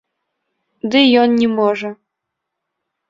Ды ён не можа.